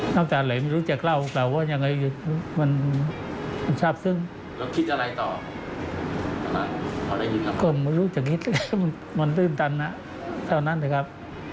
ก็ไม่รู้จังงี้เลยมันตื่นตันน่ะเท่านั้นแหละครับ